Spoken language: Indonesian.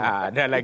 ada lagi ini